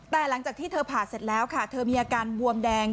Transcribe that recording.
แต่หลังจากที่เธอผ่าเสร็จแล้วค่ะเธอมีอาการบวมแดง